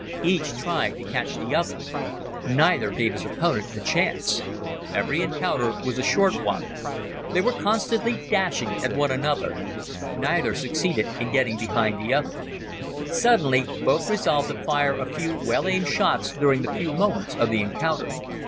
Each tried to catch the other. Neither gave his opponent a chance. Every encounter was a short one. They were constantly dashing at one another. Neither succeeded in getting behind the other. Suddenly both resolved to fire a few well aimed shots during the few moments of the encounter.